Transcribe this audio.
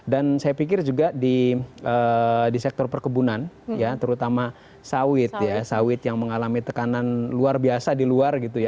dan saya pikir juga di sektor perkebunan terutama sawit yang mengalami tekanan luar biasa di luar